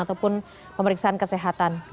ataupun pemeriksaan kesehatan